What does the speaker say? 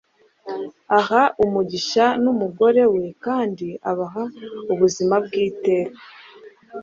aha umugisha numugore wekandi abaha ubuzima bwiteka